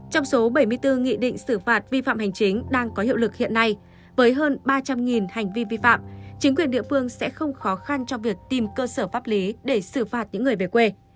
trong số bảy mươi bốn nghị định xử phạt vi phạm hành chính đang có hiệu lực hiện nay với hơn ba trăm linh hành vi vi phạm chính quyền địa phương sẽ không khó khăn cho việc tìm cơ sở pháp lý để xử phạt những người về quê